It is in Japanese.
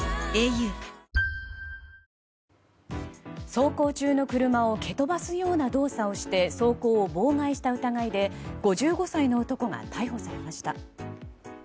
走行中の車を蹴飛ばすような動作をして走行を妨害した疑いで５５歳の男が逮捕されました。